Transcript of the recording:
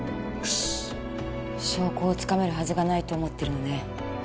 クッソ証拠をつかめるはずがないと思っているのね